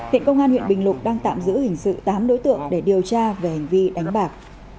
hiện công an huyện bình lục đang tạm giữ hình sự tám đối tượng để điều tra về hành vi đánh bạc